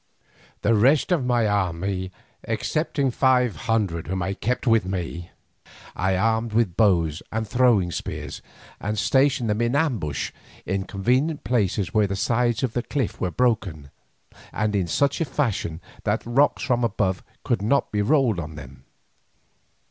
The rest of my army, excepting five hundred whom I kept with me, I armed with bows and throwing spears, and stationed them in ambush in convenient places where the sides of the cliff were broken, and in such fashion that rocks from above could not be rolled on them.